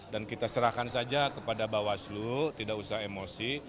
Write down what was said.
dan kita serahkan saja kepada bawaslu tidak usah emosi